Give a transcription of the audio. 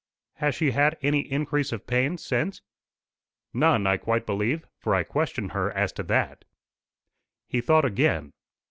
"Has she had any increase of pain since?" "None, I quite believe; for I questioned her as to that." He thought again.